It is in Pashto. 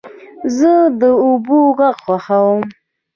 زه د اوبو غږ خوښوم.